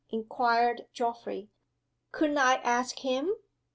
inquired Geoffrey. "Couldn't I ask _him?